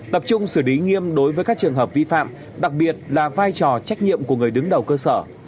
tập trung xử lý nghiêm đối với các trường hợp vi phạm đặc biệt là vai trò trách nhiệm của người đứng đầu cơ sở